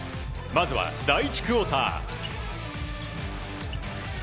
まずは第１クオーター。